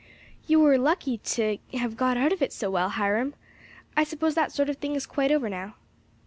"You were lucky to have got out of it so well, Hiram. I suppose that sort of thing is quite over now."